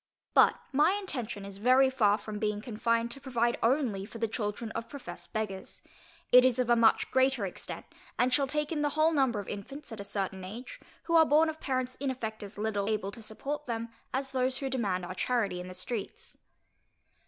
But my intention is very far from being confined to provide only for the children of professed beggars: it is of a much greater extent, and shall take in the whole number of infants at a certain age, who are born of parents in effect as little able to support them, as those who demand our charity in the streets.